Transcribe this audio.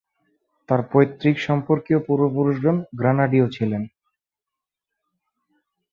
তাঁর পৈতৃকসম্পর্কীয় পূর্ব-পুরুষগণ গ্রানাডীয় ছিলেন।